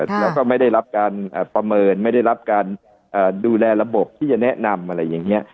เราก็ไม่ได้รับการประเมินไม่ได้รับการดูแลระบบที่จะแนะนำอะไรอย่างนี้